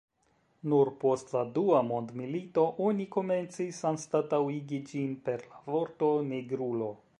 Nur post la dua mondmilito oni komencis anstataŭigi ĝin per la vorto "nigrulo".